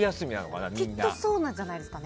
きっとそうなんじゃないですかね。